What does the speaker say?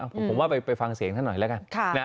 ผมว่าไปฟังเสียงท่านหน่อยแล้วกัน